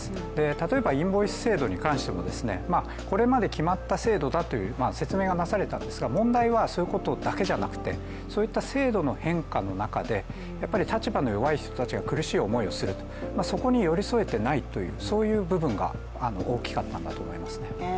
例えばインボイス制度に関してもこれまで決まった制度だという説明がなされたんですが問題はそういうことじゃなくてそういった制度の変化の中で立場の弱い人たちが苦しい思いをするそこに寄り添えていないという部分が大きかったんだと思いますね。